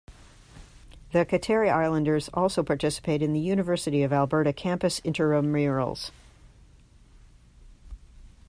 The Kateri Islanders also participate in the University of Alberta campus intramurals.